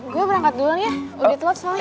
gue berangkat duluan ya udah telup soalnya